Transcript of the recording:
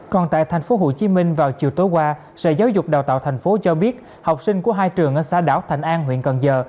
còn tại tp hcm vào chiều tối qua sở giáo dục đào tạo tp hcm cho biết học sinh của hai trường ở xã đảo thành an huyện cần giờ